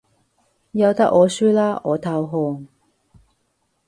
由得我輸啦，我投降